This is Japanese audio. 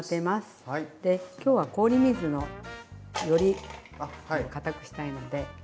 今日は氷水のより固くしたいので。